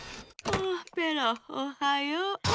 あペロおはよう。